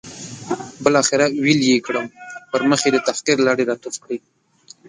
بالاخره ویلې یې کړم، پر مخ یې د تحقیر لاړې را توف کړې.